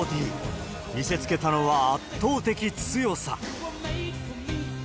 見せつけたのは圧倒的強さ。